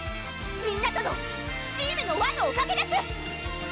みんなとのチームの輪のおかげです！